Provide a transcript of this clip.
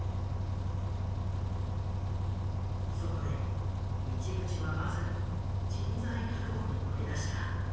そこで市口はまず人材確保に乗り出した。